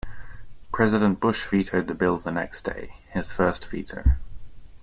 President Bush vetoed the bill the next day - his first veto.